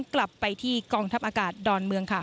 กลับไปที่กองทัพอากาศดอนเมืองค่ะ